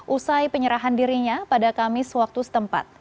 usai penyerahan dirinya pada kamis waktu setempat